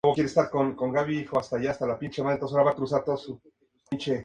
Es un título al que se puede aspirar una vez finalizada la Licenciatura.